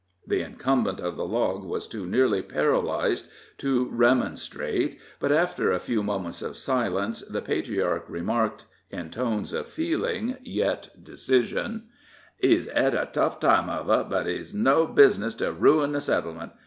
The incumbent of the log were too nearly paralyzed to remonstrate, but after a few moments of silence the patriarch remarked, in tones of feeling, yet decision: "He's hed a tough time of it, but he's no bizness to ruin the settlement.